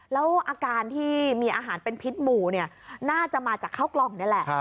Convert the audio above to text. แล้วอาการที่มีอาหารเป็นพิษหมู่น่าจะมาจากข้าวกล่องนี่แหละ